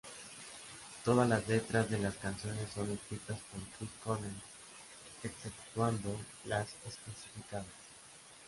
Todas las letras de las canciones son escritas por Chris Cornell, exceptuando las especificadas.